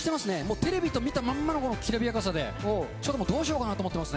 テレビで見たまんまのきらびやかさでどうしようかなと思っています。